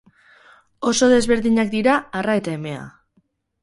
Oso desberdinak dira arra eta emea.